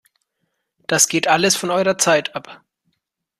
Das geht alles von eurer Zeit ab!